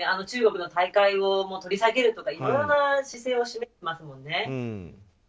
中国の大会を取り下げるとかいろいろな姿勢を示していますよね。